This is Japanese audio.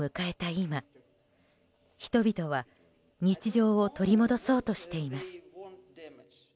今人々は日常を取り戻そうとしています。